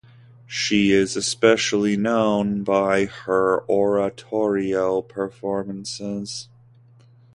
She is especially known by her oratorio performances.